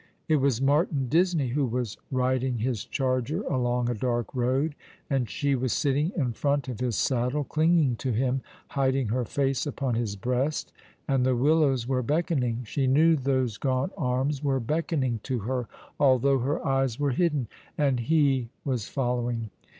It was Martin Disney who was riding his charger along a dark road, and she was sitting in front of his saddle, clinging to him, hiding her face upon his breast, and the willows were beckoning — she knew those gaunt arms were beckoning to her, although her eyes were hidden — and he was following.